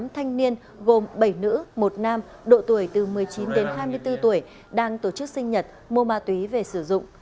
tám thanh niên gồm bảy nữ một nam độ tuổi từ một mươi chín đến hai mươi bốn tuổi đang tổ chức sinh nhật mua ma túy về sử dụng